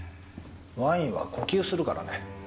ワインは呼吸するからね。